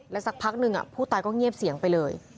สักพักหนึ่งผู้ตายก็เงียบเสียงไปเลย